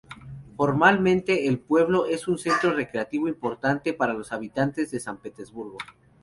Formalmente, el pueblo es un centro recreativo importante para los habitantes de San Petersburgo.